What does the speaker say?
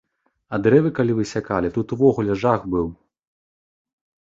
А дрэвы калі высякалі, тут увогуле жах быў!